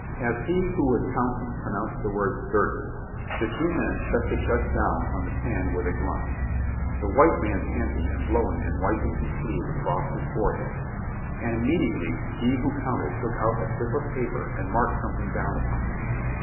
As he who was counting pronounced the word "thirty," the two men set the chest down on the sand with a grunt, the white man panting and blowing and wiping his sleeve across his forehead. And immediately he who counted took out a slip of paper and marked something down upon it.